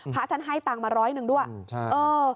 พระท่านให้ตังค์มาร้อยหนึ่งด้วยใช่เออ